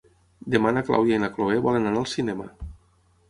Demà na Clàudia i na Cloè volen anar al cinema.